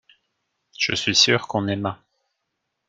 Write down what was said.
Je suis sûr qu'on aima.